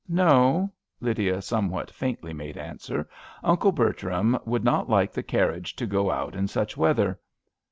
" No," Lydia somewhat faintly made answer, " Uncle Bertram would not like the carriage to go out in such weather."